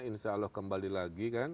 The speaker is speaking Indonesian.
insya allah kembali lagi